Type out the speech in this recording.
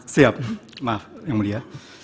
siap maaf yang mulia